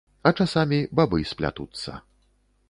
А часамі бабы сплятуцца.